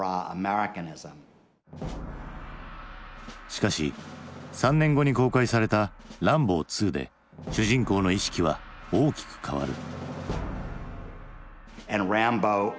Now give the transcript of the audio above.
しかし３年後に公開された「ランボー２」で主人公の意識は大きく変わる。